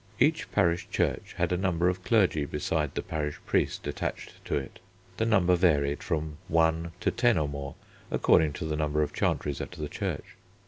Each parish church had a number of clergy besides the parish priest attached to it: the number varied from one to ten or more according to the number of chantries at the church.